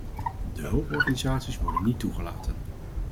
De hulporganisaties worden niet toegelaten.